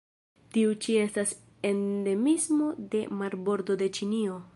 Tiu ĉi estas endemismo de marbordo de Ĉinio.